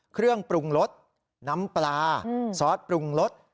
เครื่องปรุงรสน้ำปลาซอสปรุงรส